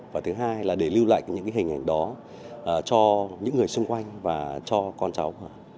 và thứ hai là để lưu lại những hình ảnh đó cho những người xung quanh và cho con cháu